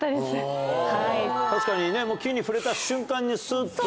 確かにね木に触れた瞬間にスッと。